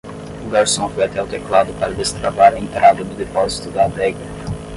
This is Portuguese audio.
O garçom foi até o teclado para destravar a entrada do depósito da adega.